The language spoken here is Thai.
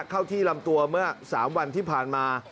เข้าที่ลำตัวเมื่อ๓วันที่ผ่านมา